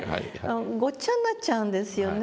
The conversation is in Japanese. ごっちゃになっちゃうんですよね